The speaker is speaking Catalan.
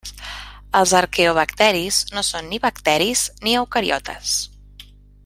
Els arqueobacteris no són ni bacteris ni eucariotes.